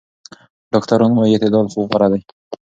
ډاکټران وايي اعتدال غوره دی.